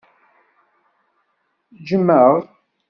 Ǧǧem-aɣ!